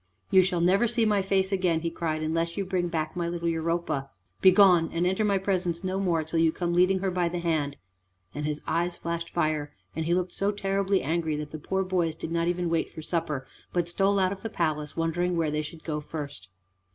"You shall never see my face again," he cried, "unless you bring back my little Europa. Begone, and enter my presence no more till you come leading her by the hand;" and his eyes flashed fire and he looked so terribly angry that the poor boys did not even wait for supper, but stole out of the palace wondering where they should go first.